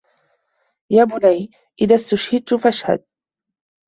يَا بُنَيَّ إذَا اُسْتُشْهِدْتَ فَاشْهَدْ